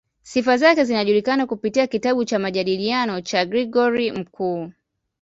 Sifa zake zinajulikana kupitia kitabu cha "Majadiliano" cha Gregori Mkuu.